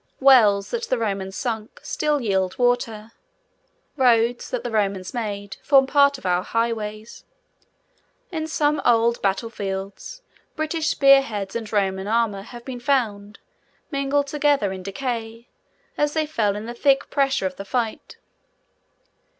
Wells that the Romans sunk, still yield water; roads that the Romans made, form part of our highways. In some old battle fields, British spear heads and Roman armour have been found, mingled together in decay, as they fell in the thick pressure of the fight.